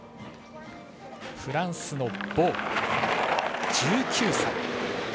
フランスのボー、１９歳。